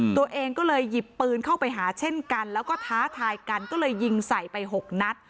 ตัวเองก็เลยหยิบปืนเข้าไปหาเช่นกันแล้วก็ท้าทายกันก็เลยยิงใส่ไป๖นัด